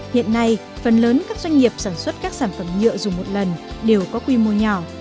hiện nay phần lớn các doanh nghiệp sản xuất các sản phẩm nhựa dùng một lần đều có quy mô nhỏ